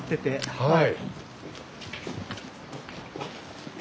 はい。